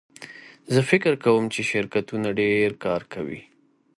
زه فکر کوم چې شرکتونه ډېر کار کوي.